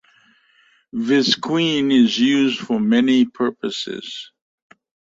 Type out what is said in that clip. Visqueen is used for many purposes.